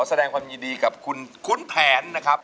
แสดงความยินดีกับคุณแผนนะครับ